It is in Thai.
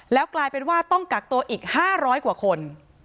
แล้วกลายเป็นว่าต้องกักตัวอีก๕๐๐กว่าคน